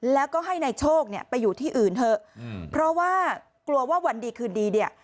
แล้วก็ให้นายโชคเนี่ยไปอยู่ที่อื่นเถอะเพราะว่ากลัวว่าวันดีคืนดีเนี่ย